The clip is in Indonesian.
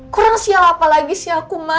kurang sial apa lagi sih aku ma